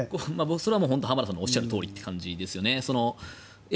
それは浜田さんがおっしゃるとおりという感じですよね。